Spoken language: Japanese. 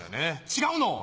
違うの？